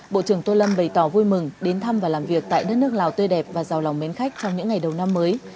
bộ trưởng tô lâm bày tỏ vui mừng đến thăm và làm việc tại đất nước lào tươi đẹp và giàu lòng mến khách trong những ngày đầu năm mới